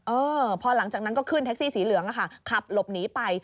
เออพอหลังจากนั้นก็ขึ้นแท็กซี่สีเหลืองอะค่ะขับหลบหนีไป